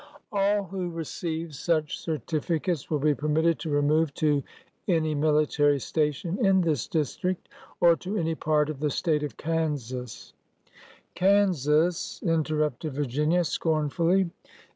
All who receive such certificates will be per mitted to remove to any military station in this district, or to any part of the State of Kansas,—'' '' Kansas I " interrupted Virginia, scornfully.